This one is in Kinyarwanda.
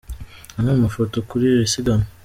Amwe mu mafoto kuri iri siganwa.